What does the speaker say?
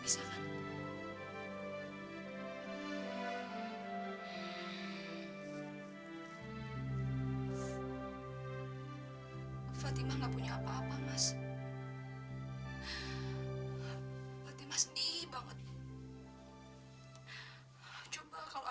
sampai jumpa di video selanjutnya